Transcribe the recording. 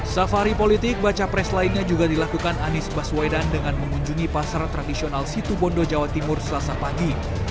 safari politik baca pres lainnya juga dilakukan anies baswedan dengan mengunjungi pasar tradisional situ bondo jawa timur selasa pagi